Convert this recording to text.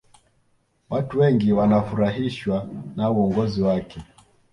watu wengi wanafurahishwa na uongozi wake